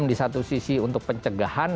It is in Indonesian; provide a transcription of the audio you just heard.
tiga m di satu sisi untuk pencegahan